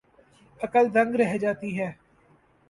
عقل دنگ رہ جاتی ہے۔